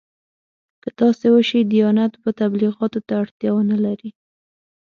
که داسې وشي دیانت به تبلیغاتو ته اړتیا ونه لري.